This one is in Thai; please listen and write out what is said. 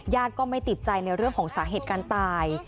ก็ไม่ติดใจในเรื่องของสาเหตุการณ์ตาย